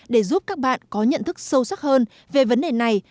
để giúp các bạn có nhận thức sâu sắc hơn về vấn đề này